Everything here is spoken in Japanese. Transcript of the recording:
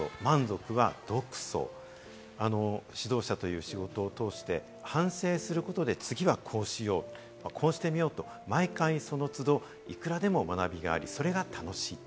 指導者という仕事を通して反省することで、次はこうしよう、こうしてみようと毎回その都度、いくらでも学びがあり、それが楽しい。